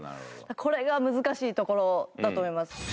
これが難しいところだと思います。